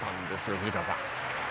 藤川さん。